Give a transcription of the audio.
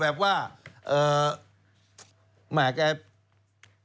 แบบว่าเอ่อหมายความว่า